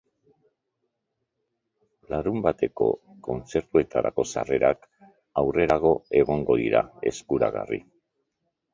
Larunbateko kontzertuetarako sarrerak aurrerago egongo dira eskuragarri.